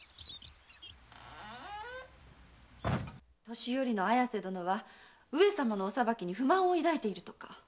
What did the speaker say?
年寄の綾瀬殿は上様のお裁きに不満を抱いているとか。